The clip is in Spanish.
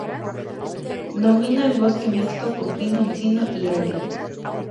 Domina el bosque mixto, con pino, encino y aile.